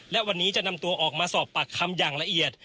และวันนี้จะนำตัวออกมาสอบปากคำอย่างละเอียด